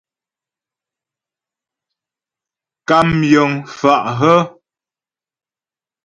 Kàm yəŋ pfə́ hə́ ?